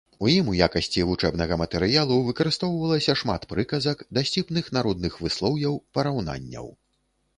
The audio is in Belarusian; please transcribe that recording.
У ім у якасці вучэбнага матэрыялу выкарыстоўвалася шмат прыказак, дасціпных народных выслоўяў, параўнанняў.